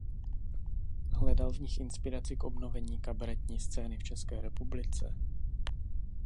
Hledal v nich inspiraci k obnovení kabaretní scény v České republice.